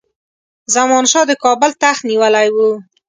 زمان شاه د کابل تخت نیولی وو.